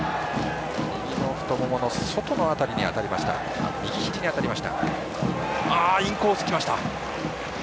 右の太ももの外の辺りに当たりました。